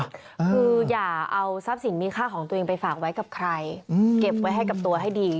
คืออย่าเอาทรัพย์สินมีค่าของตัวเองไปฝากไว้กับใครเก็บไว้ให้กับตัวให้ดี